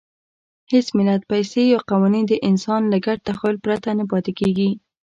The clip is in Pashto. هېڅ ملت، پیسې یا قوانین د انسان له ګډ تخیل پرته نه پاتې کېږي.